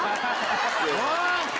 おい！